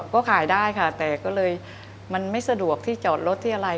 ก็ขายได้ค่ะแต่ก็เลยมันไม่สะดวกที่จอดรถที่อะไร